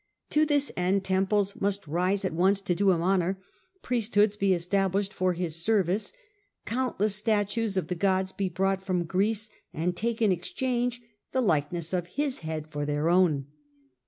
To this end temples must rise at once to do him honour ; priesthoods be established for his service ; countless statues of the gods be brought from Greece and take in exchange the likeness of his head for their own.